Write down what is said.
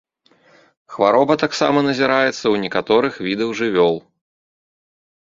Хвароба таксама назіраецца ў некаторых відаў жывёл.